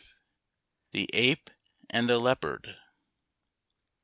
THE APE AND THE LEOPARD.